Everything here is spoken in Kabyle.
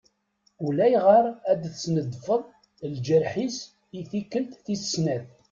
Ulayɣer ad d-sendef lǧerḥ-is i tikkelt tis snat.